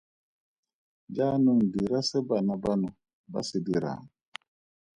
Jaanong dira se bana bano ba se dirang.